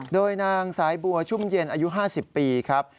โดยนางสายบัวชุ่มเย็นอายุ๕๐ปีครับ